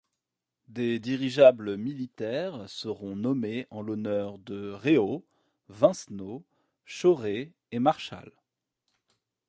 Des dirigeables militaires seront nommés en l'honneur de Réau, Vincenot, Chauré et Marchal.